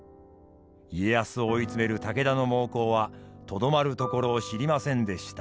家康を追い詰める武田の猛攻はとどまるところを知りませんでした。